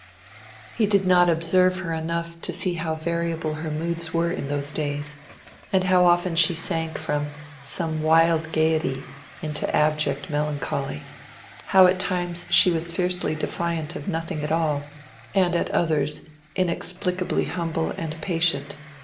He did not observe her enough to see how variable her moods were in those days, and how often she sank from some wild gaiety into abject melancholy; how at times she was fiercely defiant of nothing at all, and at others inexplicably humble and patient.